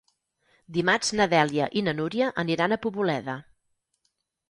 Dimarts na Dèlia i na Núria aniran a Poboleda.